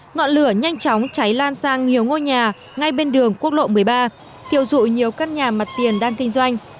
ngọn lửa nhanh chóng cháy lan sang nhiều ngôi nhà ngay bên đường quốc lộ một mươi ba thiêu dụi nhiều căn nhà mặt tiền đang kinh doanh